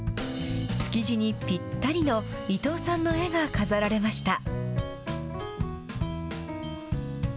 築地にぴったりの伊藤さんの絵が飾られました。